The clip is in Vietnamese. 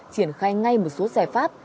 triển khai ngay một số xe phát